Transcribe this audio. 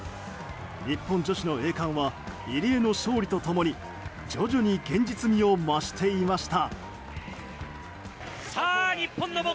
日本女子の栄冠は入江の勝利と共に徐々に現実味を増していました。